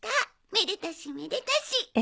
めでたしめでたし」